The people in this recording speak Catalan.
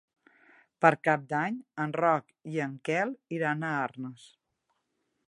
Per Cap d'Any en Roc i en Quel iran a Arnes.